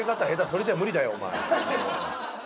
それじゃ無理だよお前。